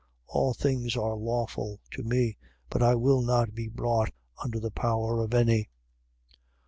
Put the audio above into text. All things are lawful to me: but I will not be brought under the power of any.